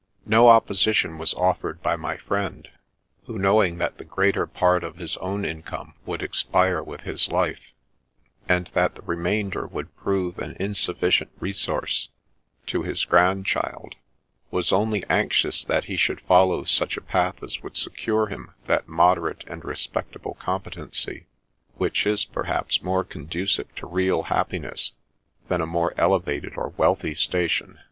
No opposition was offered by my friend, who, knowing that the greater part of his own income would expire with his life, and that the remainder would prove an insufficient resource to his grandchild, was only anxious that he should follow such a path as would secure him that moderate and respectable competency which is, perhaps, more conducive to real happiness than a more elevated or wealthy station.